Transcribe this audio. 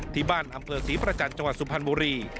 ที่บ้านอำเกิดศรีประจันทร์จังหวัดสุภัณฑ์บุรี